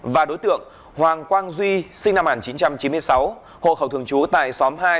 và đối tượng hoàng quang duy sinh năm một nghìn chín trăm chín mươi sáu hộ khẩu thường trú tại xóm hai